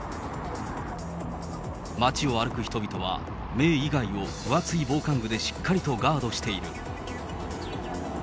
街を歩く人々は、目以外を分厚い防寒具でしっかりとガードしている。